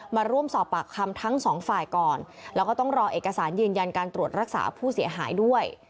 มาร่วมสอบปากคำทั้งสองฝ่ายก่อนแล้วก็ต้องรอเอกสารยืนยันการตรวจรักษาผู้เสียหายด้วย